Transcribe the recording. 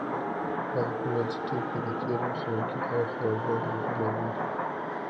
هغه په یوازیتوب کې د تېر وخت رنګین او خوږ انځورونه ویني.